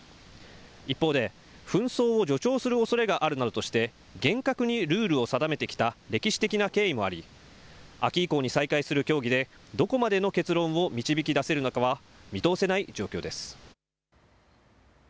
一方で紛争を助長するおそれがあるなどとして厳格にルールを定めてきた歴史的な経緯もあり秋以降に再開する協議でどこまでの結論を導き出せるのかは見通せない状況です。